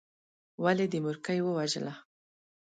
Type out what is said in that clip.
ولې دې مورکۍ ووژله.